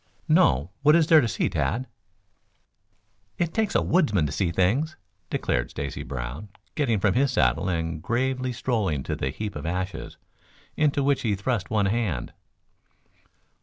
"No. What is there to see, Tad?" "It takes a woodsman to see things," declared Stacy Brown, getting from his saddle and gravely strolling to the heap of ashes, into which he thrust one hand.